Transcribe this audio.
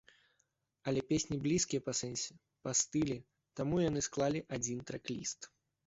Але песні блізкія па сэнсе і па стылі, таму яны склалі адзін трэк-ліст.